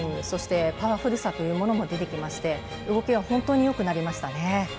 そして、パワフルさというものも出てきまして動きが本当によくなりましたね。